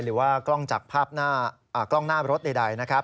หรือว่ากล้องจากภาพกล้องหน้ารถใดนะครับ